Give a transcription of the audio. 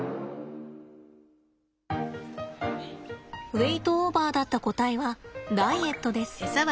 ウエイトオーバーだった個体はダイエットです。